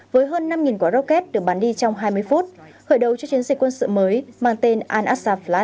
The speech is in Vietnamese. với hơn năm quả rocket được bắn đi trong hai mươi phút khởi đầu cho chiến dịch quân sự mới mang tên al assaflad